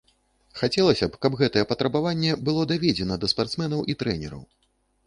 Хацелася б, каб гэтае патрабаванне было даведзена да спартсменаў і трэнераў.